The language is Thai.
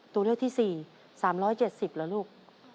ตัวเลือกที่๔๓๗๐เหรอลูก